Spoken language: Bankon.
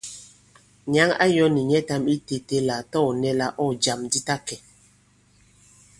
Nyǎŋ ā yɔ̄ nì nyɛtām itētē la tâ ɔ̀ nɛ la ɔ̂ jàm di ta kɛ̀.